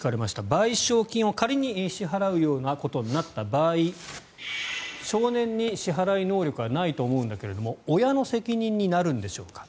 賠償金を仮に支払うようなことになった場合少年に支払い能力はないと思うんだけれども親の責任になるんでしょうか？